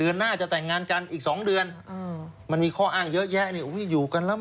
เราไม่แต่งมันก็มีเหตุผล